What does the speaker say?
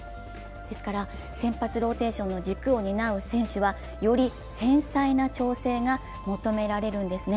ですから、先発ローテーションの軸を担う選手はより繊細な調整が求められるんですね。